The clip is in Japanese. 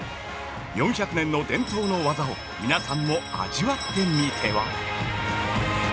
４００年の伝統の技を皆さんも味わってみては？